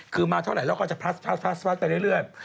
คือมาเท่าไหรแล้วก็จะพลัสไปเรื่อย